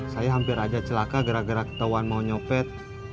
saya hampir aja celaka gara gara ketahuan mau nyopet